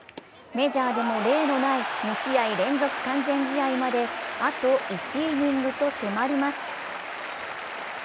メジャーでも例のない２試合連続完全試合まであと１イニングと迫ります。